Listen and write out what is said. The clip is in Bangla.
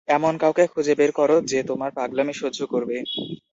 এমন কাউকে খুঁজে বের করো যে তোমার পাগলামি সহ্য করবে।